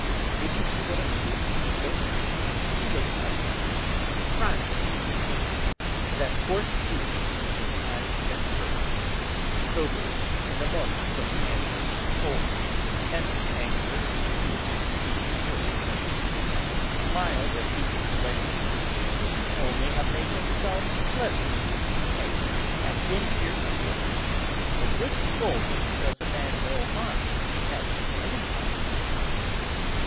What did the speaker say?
Did you see what a fool he looked? He was actually crying," that Forcheville, when his eyes met hers, sobered in a moment from the anger, or pretended anger with which he was still flushed, smiled as he explained: "He need only have made himself pleasant and he'd have been here still; a good scolding does a man no harm, at any time."